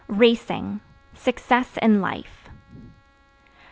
Racing Success in life.